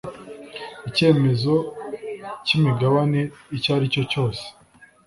icyemezo cy’imigabane icyo ari cyo cyose